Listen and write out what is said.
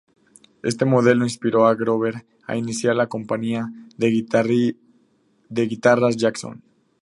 Este modelo inspiró a Grover a iniciar la compañía de guitarras Jackson.